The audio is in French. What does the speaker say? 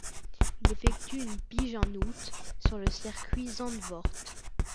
Il effectue une pige en août en sur le circuit de Zandvoort.